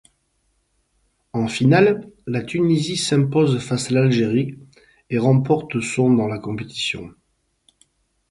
En finale, la Tunisie s'impose face à l'Algérie et remporte son dans la compétition.